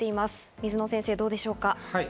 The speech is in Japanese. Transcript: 水野先生、どうでしょうか？